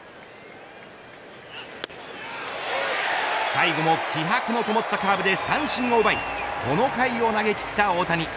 最後も気迫のこもったカーブで三振を奪いこの回を投げ切った大谷。